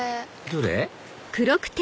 どれ？